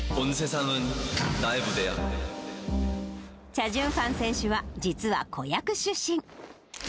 チャ・ジュンファン選手は、実は子役出身。